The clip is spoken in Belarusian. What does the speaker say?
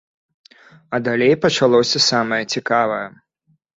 А далей пачалося самае цікавае.